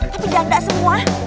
tapi janda semua